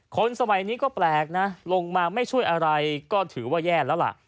คนสมัยนี้ก็แปลกนะลงมาไม่ช่วยอะไรก็ถือว่าแย่แล้วล่ะ